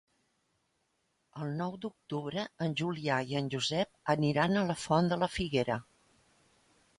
El nou d'octubre en Julià i en Josep aniran a la Font de la Figuera.